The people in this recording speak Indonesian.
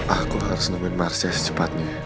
aku harus nungguin marsha secepatnya